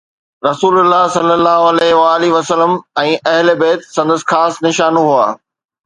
رسول الله صلي الله عليه وآله وسلم ۽ اهل بيت سندس خاص نشانو هئا.